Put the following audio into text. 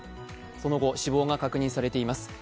その後、死亡が確認されています。